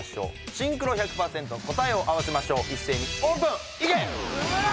シンクロ１００％答えを合わせましょう一斉にオープンいけ！